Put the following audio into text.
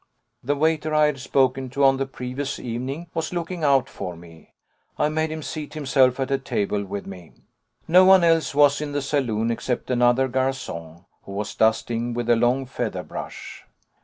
The waiter I had spoken to on the previous evening was looking out for me. I made him seat himself at a table with me. No one else was in the saloon except another garçon, who was dusting with a long feather brush.